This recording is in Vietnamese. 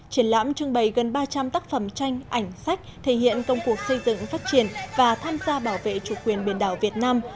triển lãm trưng bày gần ba trăm linh tác phẩm tranh ảnh sách thể hiện công cuộc xây dựng phát triển và tham gia bảo vệ chủ quyền biển đảo việt nam